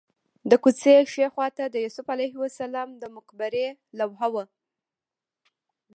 د کوڅې ښي خوا ته د یوسف علیه السلام د مقبرې لوحه وه.